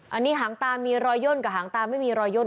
อันนี้หางตามีรอยย่นกับหางตาไม่มีรอยย่น